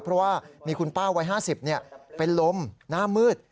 เพราะว่ามีคุณป้าวัย๕๐เป็นลมหน้ามืด